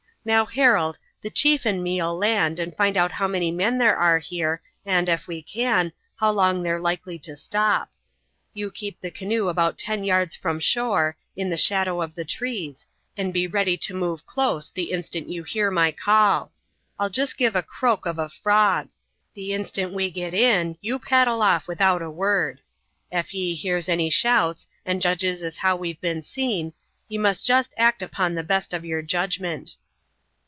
Now, Harold, the chief and me'll land and find out how many men there are here, and, ef we can, how long they're likely to stop. You keep the canoe about ten yards from shore, in the shadow of the trees, and be ready to move close the instant you hear my call. I'll jest give the croak of a frog. The instant we get in you paddle off without a word. Ef ye hears any shouts and judges as how we've been seen, ye must jest act upon the best of yer judgment."